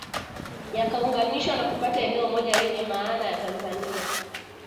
Yakaunganisha na kupata neno moja lenye maana ya Tanzania